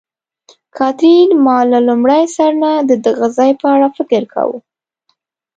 کاترین: ما له لومړي سر نه د دغه ځای په اړه فکر کاوه.